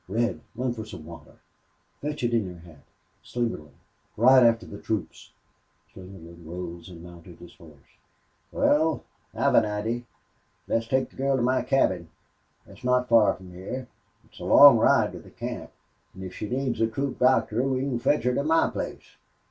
Red, run for some water. Fetch it in your hat. Slingerland, ride after the troops." Slingerland rose and mounted his horse. "Wal, I've an idee. Let's take the girl to my cabin. Thet's not fur from hyar. It's a long ride to the camp. An' if she needs the troop doctor we can fetch him to my place."